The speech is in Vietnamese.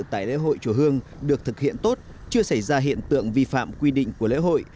tại lễ hội chùa hương được thực hiện tốt chưa xảy ra hiện tượng vi phạm quy định của lễ hội